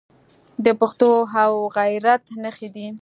د پښتو او غیرت نښې دي.